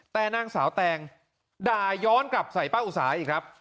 แต่นางสาวแตงด่าย้อนกลับใส่ป้าอุสาอีกครับ